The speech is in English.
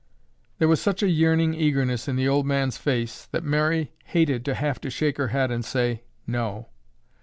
There was such a yearning eagerness in the old man's face that Mary hated to have to shake her head and say, "No."